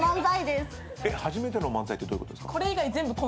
初めての漫才ってどういうことですか？